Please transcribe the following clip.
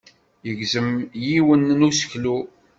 Yegzem yiwen n useklu.